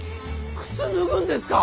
靴脱ぐんですか？